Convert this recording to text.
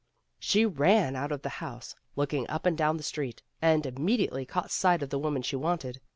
She ran out of the house, looking up and down the street, and immediately caught sight of the woman she wanted.